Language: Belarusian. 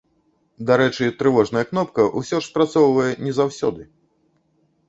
Дарэчы, трывожная кнопка ўсё ж спрацоўвае не заўсёды.